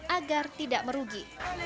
agar tidak merugi